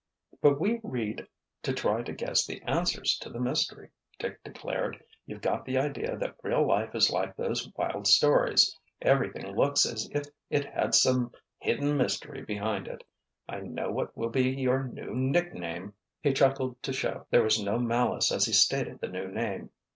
"But we read to try to guess the answers to the mystery," Dick declared. "You've got the idea that real life is like those wild stories. Everything looks as if it had some hidden mystery behind it—I know what will be your new nickname——" He chuckled to show there was no malice as he stated the new name.